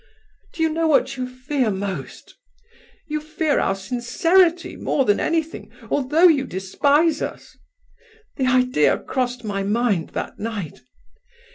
Do you know what you fear most? You fear our sincerity more than anything, although you despise us! The idea crossed my mind that night...